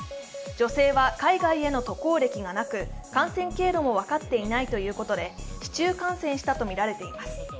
女性は海外への渡航歴がなく、感染経路も分かっていないということで市中感染したとみられています。